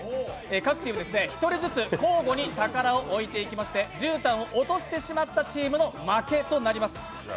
各チーム１人ずつ交互に宝を置いていきましてじゅうたんを落としてしまったチームの負けとなります。